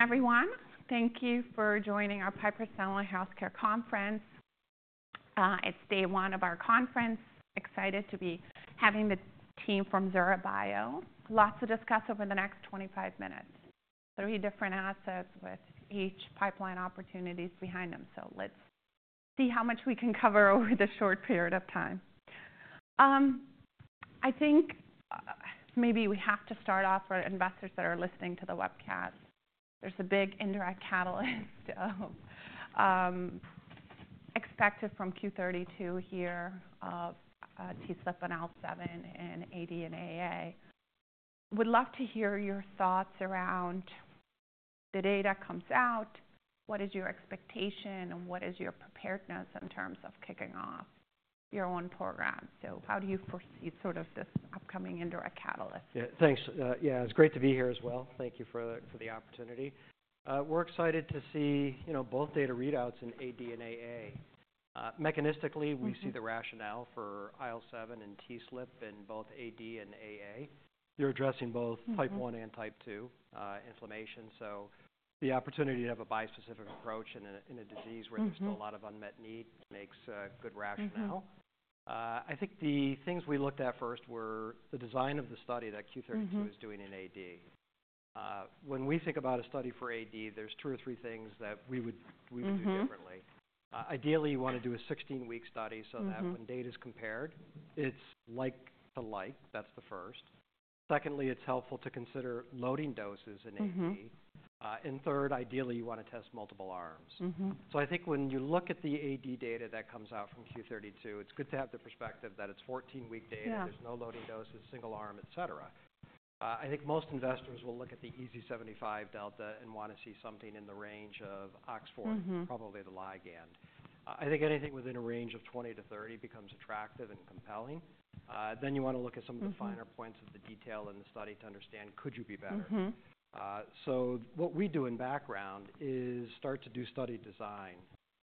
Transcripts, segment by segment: Everyone, thank you for joining our Piper Sandler Healthcare Conference. It's day one of our conference. Excited to be having the team from. Lots to discuss over the next 25 minutes. Three different assets with each pipeline opportunities behind them, so let's see how much we can cover over the short period of time. I think, maybe we have to start off for investors that are listening to the webcast. There's a big indirect catalyst, expected from Q32 Bio here, of, TSLP and IL-7 and AD and AA. Would love to hear your thoughts around the data that comes out. What is your expectation, and what is your preparedness in terms of kicking off your own program? So how do you foresee sort of this upcoming indirect catalyst? Yeah, thanks. Yeah, it's great to be here as well. Thank you for the opportunity. We're excited to see, you know, both data readouts in AD and AA. Mechanistically, we see the rationale for IL-7 and TSLP in both AD and AA. You're addressing both type 1 and type 2 inflammation. So the opportunity to have a bispecific approach in a disease where there's still a lot of unmet need makes good rationale. I think the things we looked at first were the design of the study that Q32 is doing in AD. When we think about a study for AD, there's two or three things that we would do differently. Ideally, you wanna do a 16-week study so that when data's compared, it's like to like. That's the first. Secondly, it's helpful to consider loading doses in AD. Mm-hmm. and third, ideally, you wanna test multiple arms. Mm-hmm. So I think when you look at the AD data that comes out from Q32, it's good to have the perspective that it's 14-week data. Mm-hmm.` There's no loading doses, single arm, etc. I think most investors will look at the EASI-75 delta and wanna see something in the range of OX40. Mm-hmm. Probably the ligand. I think anything within a range of 20 to 30 becomes attractive and compelling. Then you wanna look at some of the finer points of the detail in the study to understand, could you be better? Mm-hmm. What we do in the background is start to do study design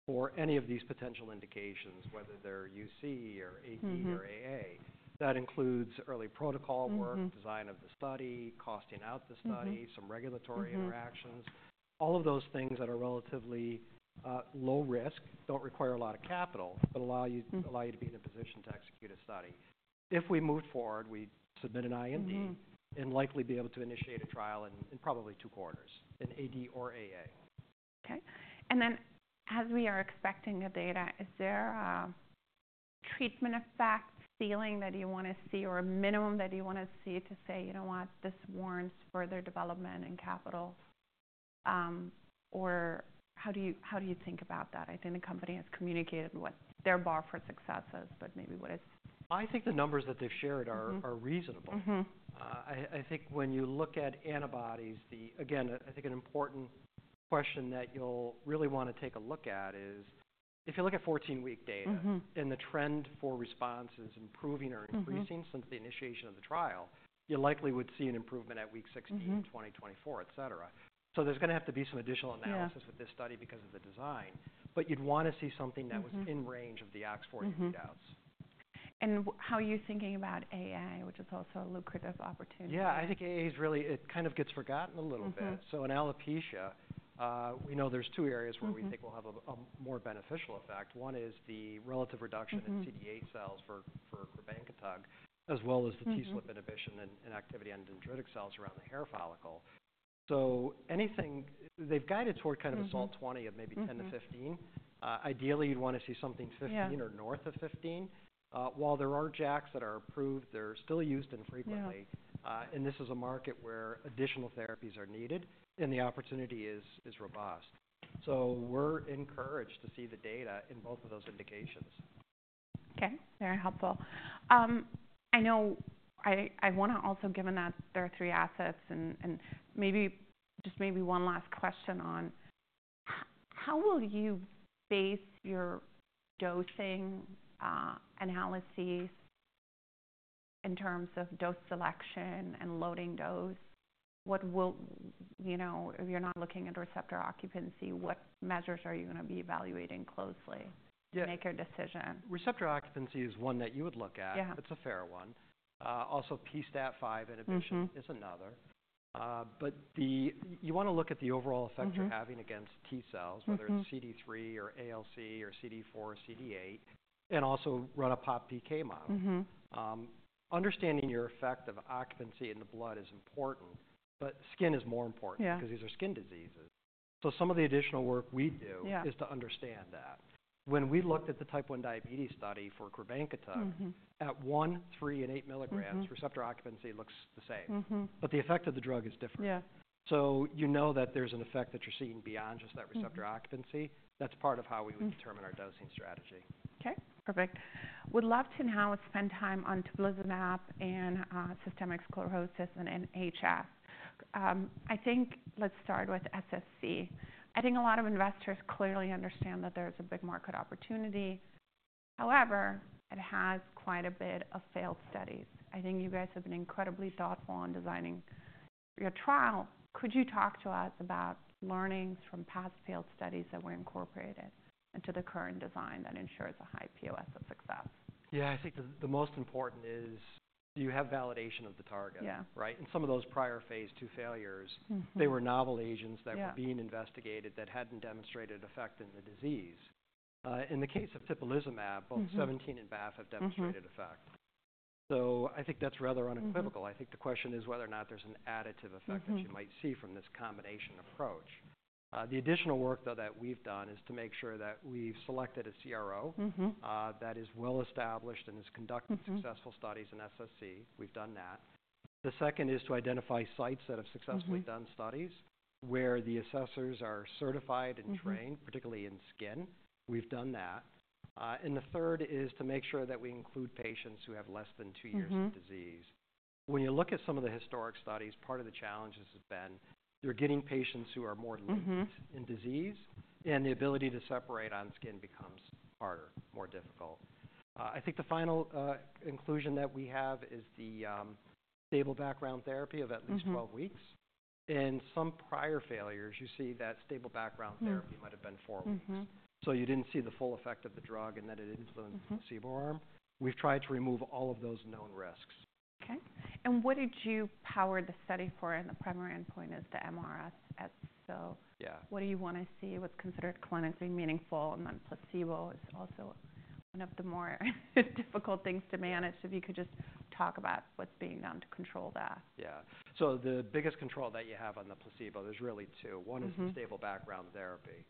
for any of these potential indications, whether they're UC or AD or AA. Mm-hmm. That includes early protocol work. Mm-hmm. Design of the study, costing out the study. Mm-hmm. Some regulatory interactions. Mm-hmm. All of those things that are relatively low risk, don't require a lot of capital, but allow you to be in a position to execute a study. If we move forward, we submit an IND. Mm-hmm. And likely be able to initiate a trial in probably two quarters, in AD or AA. Okay. And then, as we are expecting the data, is there a treatment effect feeling that you wanna see or a minimum that you wanna see to say, "You know what? This warrants further development and capital," or how do you think about that? I think the company has communicated what their bar for success is, but maybe what is. I think the numbers that they've shared are. Mm-hmm. Are reasonable. Mm-hmm. I think when you look at antibodies, then again, I think an important question that you'll really wanna take a look at is if you look at 14-week data. Mm-hmm. The trend for response is improving or increasing. Mm-hmm. Since the initiation of the trial, you likely would see an improvement at week 16. Mm-hmm. In 2024, etc. So there's gonna have to be some additional analysis. Mm-hmm. With this study because of the design, but you'd wanna see something that was in range of the OX40. Mm-hmm. Read-outs. How are you thinking about AA, which is also a lucrative opportunity? Yeah, I think AA's really it, kind of gets forgotten a little bit. Mm-hmm. So in alopecia, we know there's two areas where we think. Mm-hmm. We'll have a more beneficial effect. One is the relative reduction in CD8 cells for crebankatug, as well as the TSLP inhibition and activity on dendritic cells around the hair follicle. So anything they've guided toward kind of a SALT-20 of maybe 10-15. Mm-hmm. Ideally, you'd wanna see something 15. Mm-hmm. Or north of 15. While there are JAKs that are approved, they're still used infrequently. Yeah. And this is a market where additional therapies are needed, and the opportunity is robust. So we're encouraged to see the data in both of those indications. Okay. Very helpful. I know I wanna also, given that there are three assets and maybe one last question on how will you base your dosing analyses in terms of dose selection and loading dose? What will you know if you're not looking at receptor occupancy? What measures are you gonna be evaluating closely to make your decision? Yeah. Receptor occupancy is one that you would look at. Yeah. It's a fair one. Also, pSTAT5 inhibition. Mm-hmm. It's another, but then you wanna look at the overall effect you're having against T cells. Mm-hmm. Whether it's CD3 or ILC or CD4 or CD8, and also run a PopPK model. Mm-hmm. Understanding the effect of occupancy in the blood is important, but skin is more important. Yeah. 'Cause these are skin diseases, so some of the additional work we do. Yeah. Is to understand that. When we looked at the type one diabetes study for crebankatug. Mm-hmm. At one, three, and eight milligrams. Mm-hmm. Receptor occupancy looks the same. Mm-hmm. But the effect of the drug is different. Yeah. So you know that there's an effect that you're seeing beyond just that receptor occupancy. That's part of how we would determine our dosing strategy. Okay. Perfect. Would love to now spend time on tibulizumab and systemic sclerosis and HS. I think let's start with SSc. I think a lot of investors clearly understand that there's a big market opportunity. However, it has quite a bit of failed studies. I think you guys have been incredibly thoughtful in designing your trial. Could you talk to us about learnings from past failed studies that were incorporated into the current design that ensures a high POS of success? Yeah, I think the, the most important is, do you have validation of the target? Yeah. Right? And some of those prior phase two failures. Mm-hmm. They were novel agents that were. Yeah. Being investigated that hadn't demonstrated effect in the disease. In the case of tibulizumab, both IL-17 and BAFF have demonstrated effect. Mm-hmm. So I think that's rather unequivocal. I think the question is whether or not there's an additive effect that you might see from this combination approach. The additional work, though, that we've done is to make sure that we've selected a CRO. Mm-hmm. that is well-established and has conducted successful studies in SSc. We've done that. The second is to identify sites that have successfully done studies where the assessors are certified and trained. Mm-hmm. Particularly in skin. We've done that, and the third is to make sure that we include patients who have less than two years of disease. Mm-hmm. When you look at some of the historic studies, part of the challenges has been you're getting patients who are more latent in disease, and the ability to separate on skin becomes harder, more difficult. I think the final inclusion that we have is the stable background therapy of at least 12 weeks. Mm-hmm. Some prior failures, you see that stable background therapy might have been four weeks. Mm-hmm. So you didn't see the full effect of the drug and that it influenced the placebo arm. Mm-hmm. We've tried to remove all of those known risks. Okay. And what did you power the study for? And the primary endpoint is the mRSS, so. Yeah. What do you wanna see? What's considered clinically meaningful? And then placebo is also one of the more difficult things to manage. If you could just talk about what's being done to control that. Yeah. So the biggest control that you have on the placebo, there's really two. Mm-hmm. One is the stable background therapy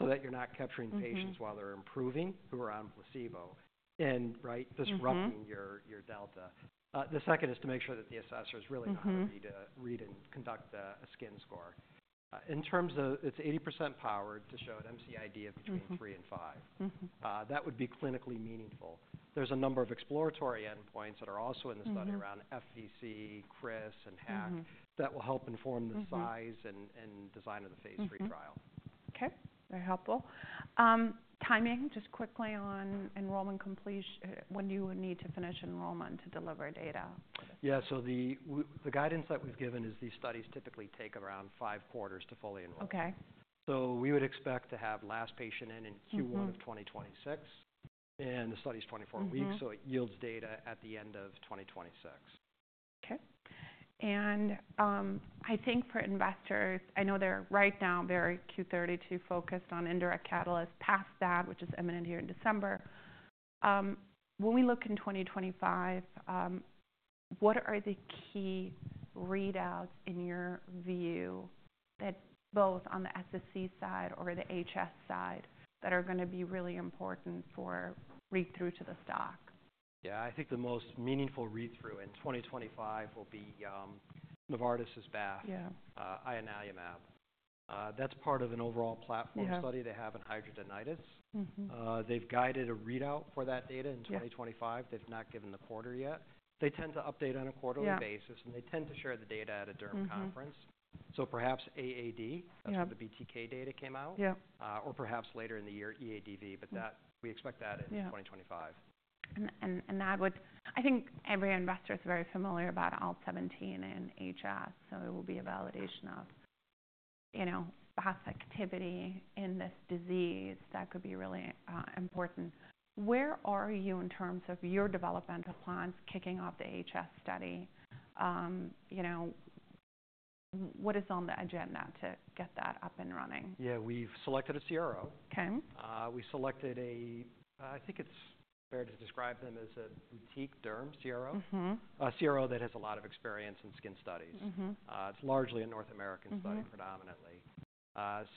so that you're not capturing patients while they're improving who are on placebo and, right, disrupting your delta. The second is to make sure that the assessor's really not ready to read and conduct a skin score. In terms of, it's 80% powered to show an MCID of between three and five. Mm-hmm. that would be clinically meaningful. There's a number of exploratory endpoints that are also in the study around FVC, CRISS, and HAQ-DI. Mm-hmm. That will help inform the size and design of the phase three trial. Okay. Very helpful. Timing, just quickly on enrollment completion, when do you need to finish enrollment to deliver data? Yeah, so the guidance that we've given is these studies typically take around five quarters to fully enroll. Okay. So we would expect to have last patient in Q1 of 2026. Mm-hmm. The study's 24 weeks. Mm-hmm. So it yields data at the end of 2026. Okay, and I think for investors, I know they're right now very Q32 Bio focused on indirect catalyst. Past that, which is imminent here in December, when we look in 2025, what are the key readouts in your view that both on the SSc side or the HS side that are gonna be really important for read-through to the stock? Yeah, I think the most meaningful read-through in 2025 will be Novartis' BAFF. Yeah. Ianalumab. That's part of an overall platform study. Yeah. They have on hidradenitis. Mm-hmm. They've guided a readout for that data in 2025. Yeah. They've not given the quarter yet. They tend to update on a quarterly basis. Yeah. They tend to share the data at a derm conference. Mm-hmm. Perhaps AAD. Yeah. That's when the BTK data came out. Yeah. or perhaps later in the year, EADV, but that we expect that in. Yeah. 2025. That would I think every investor's very familiar about IL-17 and HS, so it will be a validation of, you know, past activity in this disease that could be really important. Where are you in terms of your developmental plans kicking off the HS study? You know, what is on the agenda to get that up and running? Yeah, we've selected a CRO. Okay. We selected. I think it's fair to describe them as a boutique derm CRO. Mm-hmm. A CRO that has a lot of experience in skin studies. Mm-hmm. It's largely a North American study predominantly.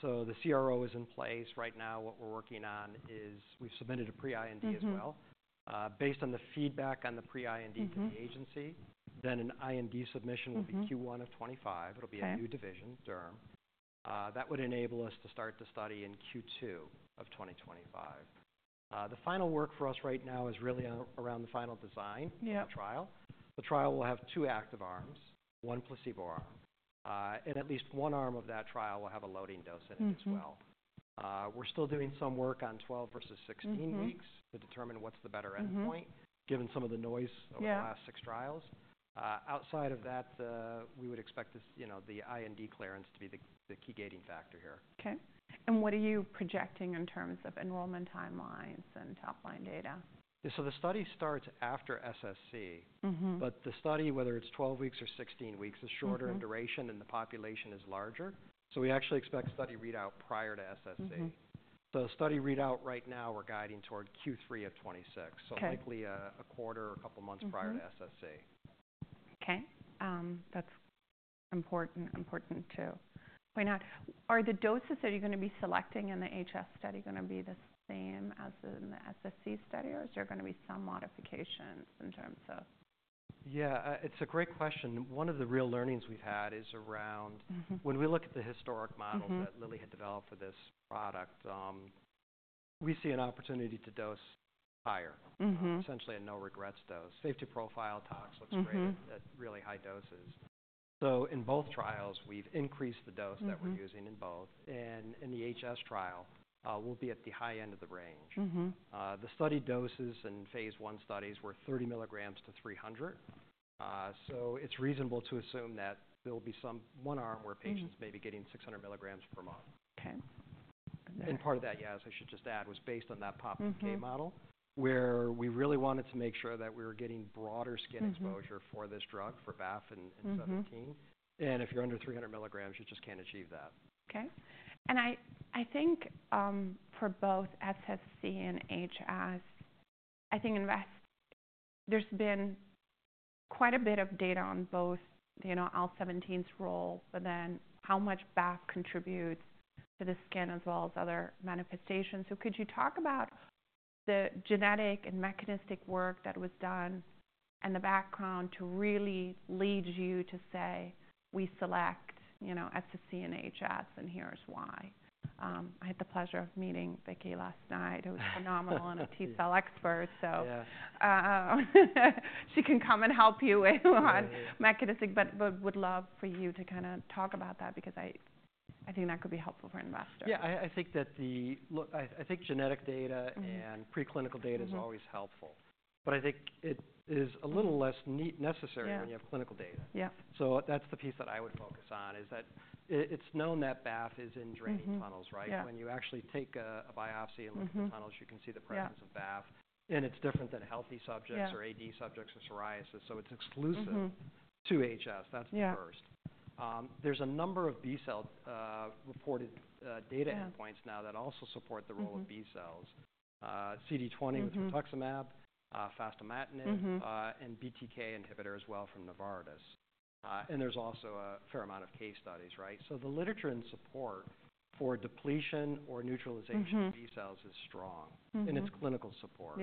So the CRO is in place. Right now, what we're working on is we've submitted a pre-IND as well. Mm-hmm. based on the feedback on the pre-IND to the agency. Mm-hmm. An IND submission will be Q1 of 2025. Okay. It'll be a new division, derm, that would enable us to start the study in Q2 of 2025. The final work for us right now is really around the final design. Yeah. Of the trial. The trial will have two active arms, one placebo arm, and at least one arm of that trial will have a loading dose in it as well. Mm-hmm. We're still doing some work on 12 versus 16 weeks. Mm-hmm. To determine what's the better endpoint. Mm-hmm. Given some of the noise over the last six trials. Yeah. Outside of that, we would expect this, you know, the IND clearance to be the key gating factor here. Okay. And what are you projecting in terms of enrollment timelines and top-line data? Yeah, so the study starts after SSc. Mm-hmm. But the study, whether it's 12 weeks or 16 weeks, is shorter in duration. Mm-hmm. The population is larger. We actually expect study readout prior to SSc. Mm-hmm. The study readout right now, we're guiding toward Q3 of 2026. Okay. Likely a quarter or a couple months prior to SSc. Okay. That's important, important to point out. Are the doses that you're gonna be selecting in the HS study gonna be the same as in the SSc study, or is there gonna be some modifications in terms of? Yeah, it's a great question. One of the real learnings we've had is around. Mm-hmm. When we look at the historic models that Lilly had developed for this product, we see an opportunity to dose higher. Mm-hmm. essentially a no-regrets dose. Safety profile tox looks great at really high doses. So in both trials, we've increased the dose that we're using in both. Mm-hmm. In the HS trial, we'll be at the high end of the range. Mm-hmm. The study doses in phase one studies were 30 milligrams to 300. So it's reasonable to assume that there'll be some one arm where patients may be getting 600 milligrams per month. Okay. Part of that, yeah, as I should just add, was based on that PopPK model. Mm-hmm. Where we really wanted to make sure that we were getting broader skin exposure for this drug, for BAFF and IL-17. Mm-hmm. If you're under 300 milligrams, you just can't achieve that. Okay, and I think, for both SSc and HS, there's been quite a bit of data on both, you know, IL-17's role, but then how much BAFF contributes to the skin as well as other manifestations. So could you talk about the genetic and mechanistic work that was done and the background to really lead you to say, "We select, you know, SSc and HS, and here's why"? I had the pleasure of meeting Vicki last night. Yeah. Who's phenomenal and a T-cell expert, so. Yeah. She can come and help you with on mechanistic, but would love for you to kinda talk about that because I think that could be helpful for investors. Yeah, I think genetic data and pre-clinical data is always helpful. Yeah. But I think it is a little less necessary. Yeah. When you have clinical data. Yeah. So that's the piece that I would focus on is that it's known that BAFF is in draining tunnels, right? Yeah. When you actually take a biopsy and look at the tunnels, you can see the presence of BAFF. Yeah. It's different than healthy subjects or AD subjects or psoriasis, so it's exclusive. Mm-hmm. To HS. That's the first. Yeah. There's a number of B-cell-reported data endpoints now that also support the role of B cells. Mm-hmm. CD20 with rituximab, fostamatinib. Mm-hmm. And BTK inhibitor as well from Novartis. And there's also a fair amount of case studies, right? So the literature and support for depletion or neutralization of B cells is strong. Mm-hmm. It's clinical support.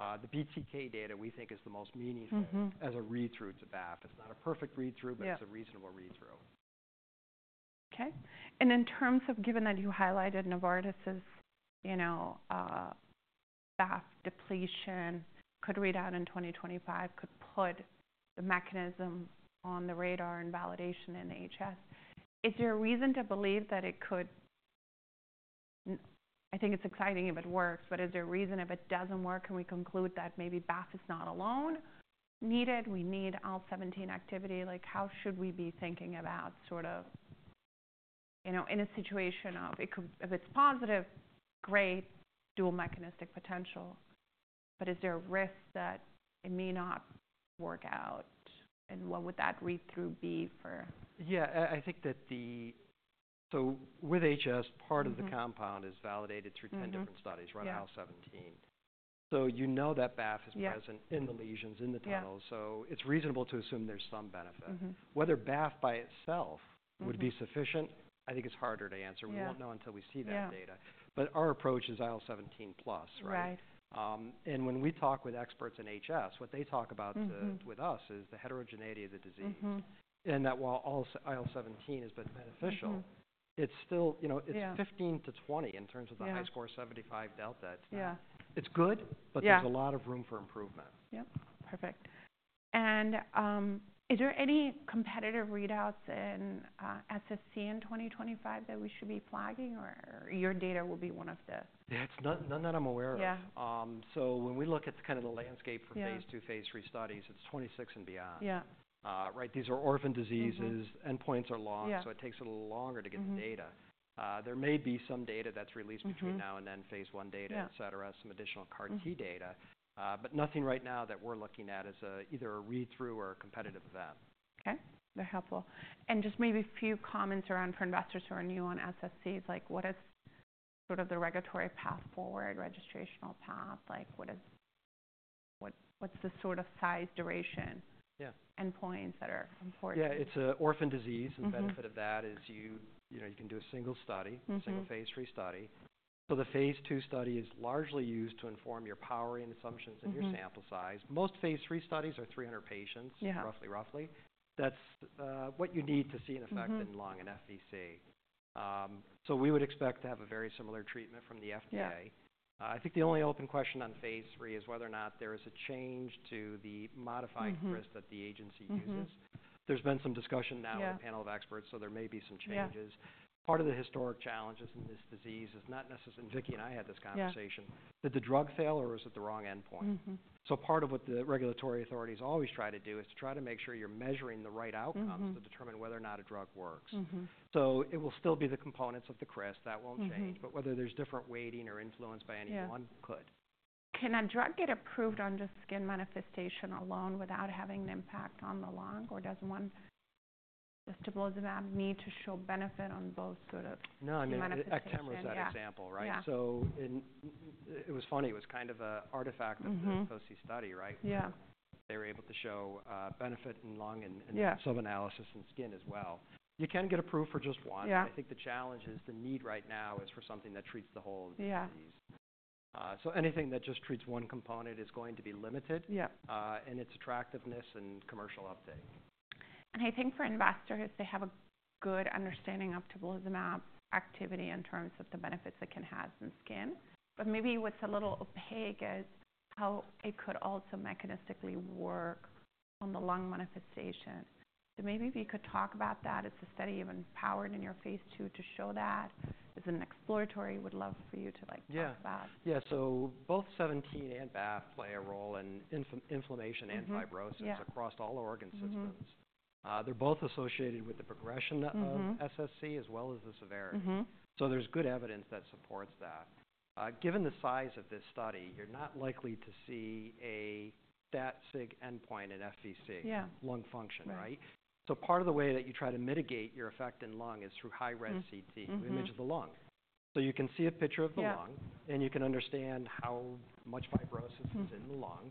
Yeah. The BTK data we think is the most meaningful. Mm-hmm. As a read-through to BAFF. It's not a perfect read-through. Yeah. But it's a reasonable read-through. Okay. And in terms of, given that you highlighted Novartis's, you know, BAFF depletion could read out in 2025, could put the mechanism on the radar and validation in HS, is there a reason to believe that it couldn't? I think it's exciting if it works, but is there a reason if it doesn't work, can we conclude that maybe BAFF is not alone needed? We need IL-17 activity. Like, how should we be thinking about sort of, you know, in a situation of it could if it's positive, great, dual mechanistic potential, but is there a risk that it may not work out? And what would that read-through be for? Yeah, I think that, so with HS, part of the compound is validated through 10 different studies. Yeah. Run IL-17. So you know that BAFF is present. Yeah. In the lesions, in the tunnels. Yeah. So it's reasonable to assume there's some benefit. Mm-hmm. Whether BAFF by itself would be sufficient, I think it's harder to answer. Yeah. We won't know until we see that data. Yeah. But our approach is IL-17 plus, right? Right. When we talk with experts in HS, what they talk about with us is the heterogeneity of the disease. Mm-hmm. And that while IL-17 has been beneficial. Mm-hmm. It's still, you know, it's. Yeah. 15-20 in terms of the HiSCR 75 delta. Yeah. It's not. It's good, but there's a lot of room for improvement. Yep. Perfect. And is there any competitive readouts in SSc in 2025 that we should be flagging, or your data will be one of the? Yeah, it's none that I'm aware of. Yeah. So when we look at kinda the landscape for phase two, phase three studies, it's 2026 and beyond. Yeah. Right? These are orphan diseases. Yeah. Endpoints are long. Yeah. So it takes a little longer to get the data. Mm-hmm. There may be some data that's released between now and then. Yeah. phase 1 data, etc., some additional CAR-T data, but nothing right now that we're looking at as either a read-through or a competitive event. Okay. Very helpful. And just maybe a few comments around for investors who are new on SSc, like, what is sort of the regulatory path forward, registrational path? Like, what is what, what's the sort of size, duration? Yeah. Endpoints that are important? Yeah, it's an orphan disease. Mm-hmm. And the benefit of that is, you know, you can do a single study. Mm-hmm. Single phase 3 study. The phase 2 study is largely used to inform your power and assumptions and your sample size. Most phase 3 studies are 300 patients. Yeah. Roughly. That's what you need to see an effect in lung in FVC. So we would expect to have a very similar treatment from the FDA. Yeah. I think the only open question on phase three is whether or not there is a change to the modified. Mm-hmm. CRISS that the agency uses. Mm-hmm. There's been some discussion now. Yeah. On a panel of experts, so there may be some changes. Yeah. Part of the historic challenges in this disease is not necessarily, and Vicki and I had this conversation. Yeah. Is it the drug fail or is it the wrong endpoint? Mm-hmm. So part of what the regulatory authorities always try to do is to try to make sure you're measuring the right outcomes. Mm-hmm. To determine whether or not a drug works. Mm-hmm. So it will still be the components of the CRISS, that won't change. Mm-hmm. But whether there's different weighting or influenced by anyone. Yeah. Could. Can a drug get approved on just skin manifestation alone without having an impact on the lung, or does one just to blow them out need to show benefit on both sort of manifestation? No, I mean, Actemra is that example, right? Yeah. It was funny. It was kind of an artifact of the. Mm-hmm. focuSSced study, right? Yeah. They were able to show benefit in lung and. Yeah. Some analysis in skin as well. You can get approved for just one. Yeah. I think the challenge is the need right now is for something that treats the whole disease. Yeah. So anything that just treats one component is going to be limited. Yeah. in its attractiveness and commercial uptake. And I think for investors, they have a good understanding of tocilizumab activity in terms of the benefits it can have in skin, but maybe what's a little opaque is how it could also mechanistically work on the lung manifestation. So maybe if you could talk about that, it's a study not even powered in your phase 2 to show that. It's an exploratory. Would love for you to, like, talk about. Yeah. Yeah, so both IL-17 and BAFF play a role in inflammation and fibrosis. Yeah. Across all organ systems. Mm-hmm. They're both associated with the progression of. Mm-hmm. SSc as well as the severity. Mm-hmm. So there's good evidence that supports that. Given the size of this study, you're not likely to see a static endpoint in FVC. Yeah. Lung function, right? Right. So part of the way that you try to mitigate your effect in lung is through high-res CT. Mm-hmm. We image the lung. So you can see a picture of the lung. Yeah. And you can understand how much fibrosis is in the lung,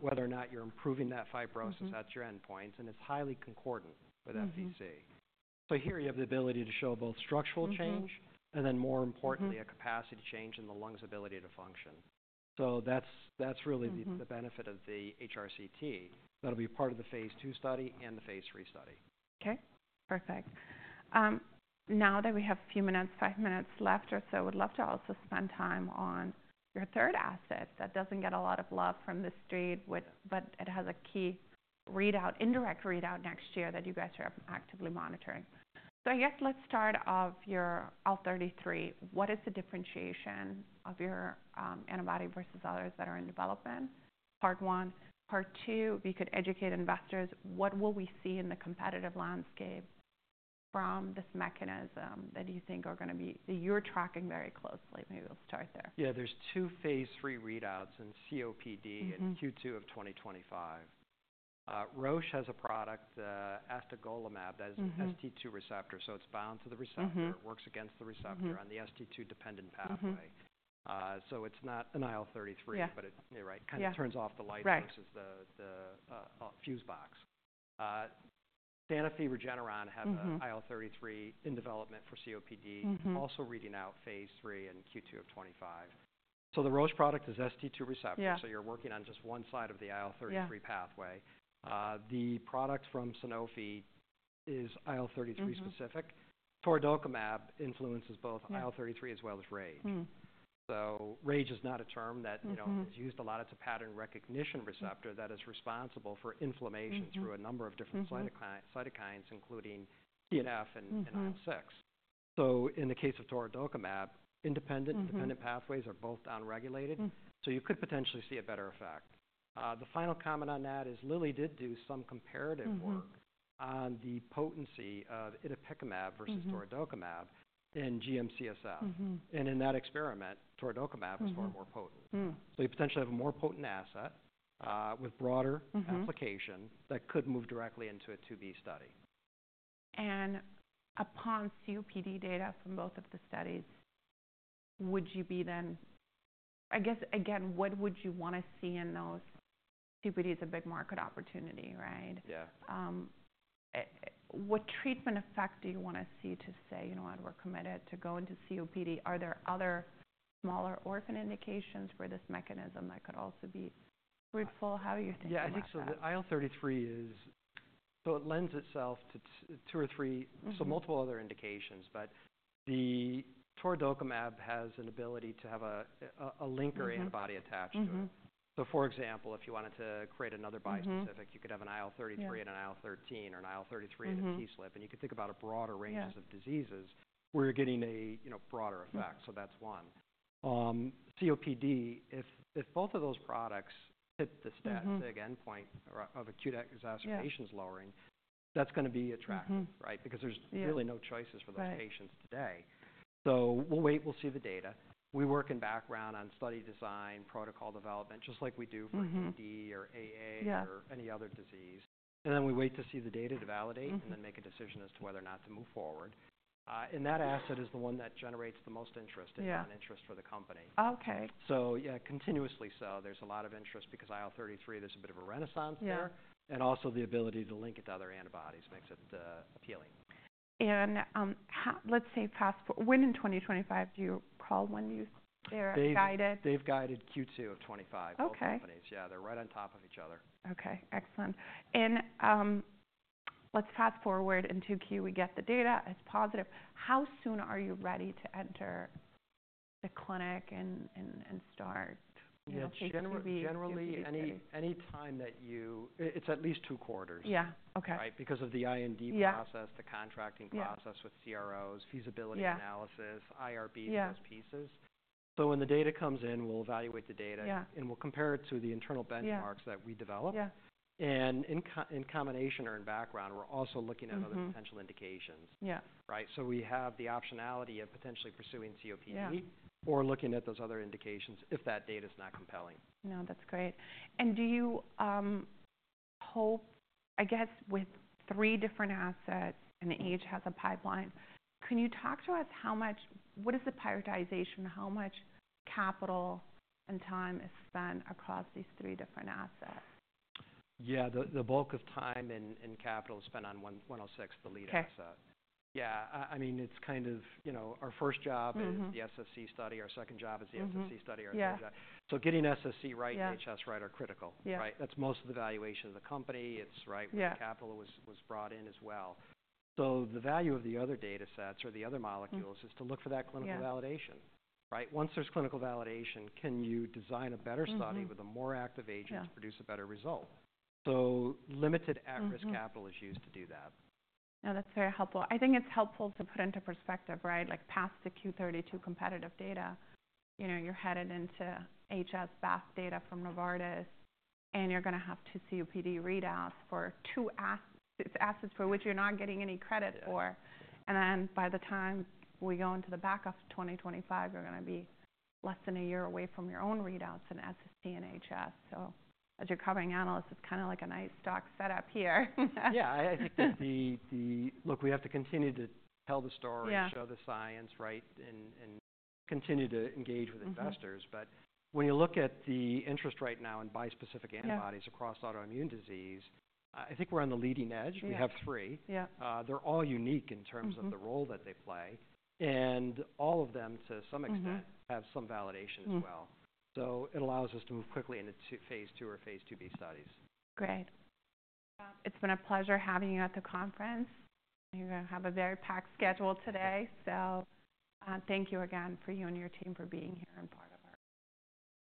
whether or not you're improving that fibrosis at your endpoints, and it's highly concordant with FVC. So here you have the ability to show both structural change. Mm-hmm. And then, more importantly, a capacity change in the lung's ability to function. So that's, that's really the. Mm-hmm. The benefit of the HRCT. That'll be part of the phase two study and the phase three study. Okay. Perfect. Now that we have a few minutes, five minutes left or so, I would love to also spend time on your third asset that doesn't get a lot of love from the street, which but it has a key readout, indirect readout next year that you guys are actively monitoring. So I guess let's start off your IL-33. What is the differentiation of your antibody versus others that are in development? Part one. Part two, if you could educate investors, what will we see in the competitive landscape from this mechanism that you think are gonna be that you're tracking very closely? Maybe we'll start there. Yeah, there's two phase 3 readouts in COPD and Q2 of 2025. Roche has a product, astegolimab, that is. Mm-hmm. An ST2 receptor, so it's bound to the receptor. Mm-hmm. It works against the receptor on the ST2 dependent pathway. Mm-hmm. So it's not an IL-33. Yeah. but it, you're right. Yeah. Kinda turns off the light versus the fuse box. Sanofi Regeneron have a. Mm-hmm. IL-33 in development for COPD. Mm-hmm. Also reading out phase three and Q2 of 2025. So the Roche product is ST2 receptor. Yeah. So you're working on just one side of the IL-33 pathway. Yeah. The product from Sanofi is IL-33 specific. Torudokimab influences both IL-33 as well as RAGE. Mm-hmm. RAGE is not a term that, you know. Mm-hmm. It's used a lot. It's a pattern recognition receptor that is responsible for inflammation through a number of different cytokines, including TNF and. Mm-hmm. And IL-6. So in the case of torudokimab, independent. Mm-hmm. Independent pathways are both downregulated. Mm-hmm. So you could potentially see a better effect. The final comment on that is Lilly did do some comparative work. Mm-hmm. On the potency of itepekimab versus torudokimabin GM-CSF. Mm-hmm. In that experiment, torudokimab was far more potent. Mm-hmm. So you potentially have a more potent asset, with broader. Mm-hmm. Application that could move directly into a 2B study. Upon COPD data from both of the studies, would you be then, I guess, again, what would you wanna see in those? COPD is a big market opportunity, right? Yeah. What treatment effect do you wanna see to say, "You know what, we're committed to going to COPD"? Are there other smaller orphan indications for this mechanism that could also be fruitful? How do you think about that? Yeah, I think so the IL-33 is so it lends itself to T2 or 3. Mm-hmm. Multiple other indications, but the torudokimab has an ability to have a linker antibody attached to it. Mm-hmm. So for example, if you wanted to create another bispecific. Mm-hmm. You could have an IL-33. Yeah. And an IL-13 or an IL-33. Mm-hmm. A TSLP, and you could think about a broader range. Mm-hmm. Of diseases where you're getting a, you know, broader effect. Mm-hmm. That's one. COPD, if both of those products hit the stat. Mm-hmm. SIG endpoint or of acute exacerbations lowering. Yeah. That's gonna be attractive, right? Yeah. Because there's really no choices for those patients today. Right. We'll wait. We'll see the data. We work in background on study design, protocol development, just like we do for. Mm-hmm. AD or AA. Yeah. Or any other disease. And then we wait to see the data to validate. Mm-hmm. And then make a decision as to whether or not to move forward. And that asset is the one that generates the most interest. Yeah. An interest for the company. Okay. So yeah, continuously so, there's a lot of interest because IL-33, there's a bit of a renaissance there. Yeah. And also the ability to link it to other antibodies makes it appealing. How, let's say, fast forward to when in 2025? Do you recall when you've guided? They've guided Q2 of 2025. Okay. Both companies. Yeah, they're right on top of each other. Okay. Excellent. And, let's fast forward into Q. We get the data as positive. How soon are you ready to enter the clinic and start? You know, generally. Phase 2B? Generally, any time that you, it's at least two quarters. Yeah. Okay. Right? Because of the IND process. Yeah. The contracting process with CROs. Yeah. Feasibility analysis. Yeah. IRBs, those pieces. Yeah. So when the data comes in, we'll evaluate the data. Yeah. We'll compare it to the internal benchmarks. Yeah. That we develop. Yeah. And in combination or in background, we're also looking at other potential indications. Yeah. Right? So we have the optionality of potentially pursuing COPD. Yeah. Or looking at those other indications if that data's not compelling. No, that's great. And do you, hope I guess with three different assets and Zura has a pipeline, can you talk to us how much what is the prioritization? How much capital and time is spent across these three different assets? Yeah, the bulk of time and capital is spent on 106, the lead asset. Okay. Yeah, I mean, it's kind of, you know, our first job. Mm-hmm. It's the SSc study. Our second job is the SSc study. Yeah. Our third job. So getting SSc right. Yeah. HS, right, are critical. Yeah. Right? That's most of the valuation of the company. It's right? Yeah. Where the capital was brought in as well, so the value of the other data sets or the other molecules is to look for that clinical validation. Yeah. Right? Once there's clinical validation, can you design a better study with a more active agent to produce a better result? Yeah. Limited at-risk capital is used to do that. No, that's very helpful. I think it's helpful to put into perspective, right, like past the Q32 competitive data, you know, you're headed into HS BAFF data from Novartis, and you're gonna have two COPD readouts for two assets for which you're not getting any credit for. Yeah. And then by the time we go into the back of 2025, you're gonna be less than a year away from your own readouts in SSc and HS. So as your covering analyst, it's kinda like a nice stock setup here. Yeah, I think that the look, we have to continue to tell the story. Yeah. And show the science, right, and continue to engage with investors. Mm-hmm. But when you look at the interest right now in bi-specific antibodies. Mm-hmm. Across autoimmune disease, I think we're on the leading edge. Mm-hmm. We have three. Yeah. They're all unique in terms of the role that they play. Mm-hmm. All of them to some extent. Mm-hmm. Have some validation as well. Mm-hmm. So it allows us to move quickly into two phase 2 or phase 2B studies. Great. It's been a pleasure having you at the conference. You're gonna have a very packed schedule today, so, thank you again for you and your team for being here and part of our.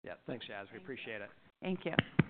Yeah, thanks, Yas. Yeah. We appreciate it. Thank you.